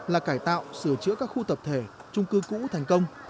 là cải tạo sửa chữa các khu tập thể trung cư cũ thành công